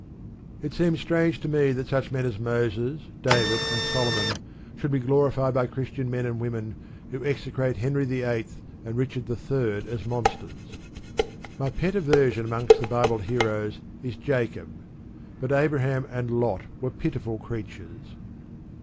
It seems strange to me that such men as Moses, David, and Solomon should be glorified by Christian men and women who execrate Henry VIII. and Richard III. as monsters. My pet aversion amongst the Bible heroes is Jacob; but Abraham and Lot were pitiful creatures.